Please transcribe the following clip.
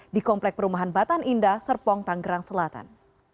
di komplek perumahan batan indah serpong tanggerang selatan